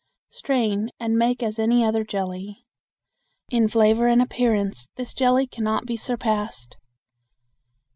Strain and make as any other jelly. In flavor and appearance this jelly can not be surpassed.